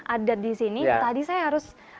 adat disini tadi saya harus